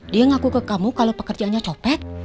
dia ngaku ke kamu kalau pekerjaannya copet